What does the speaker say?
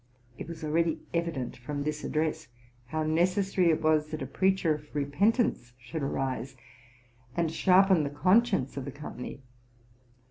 ''— It was already evident from this address, how necessary it was that a preacher of repentance should arise, and sharpen the conscience of the company.